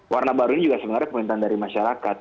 warna baru ini juga sebenarnya pemerintahan dari masyarakat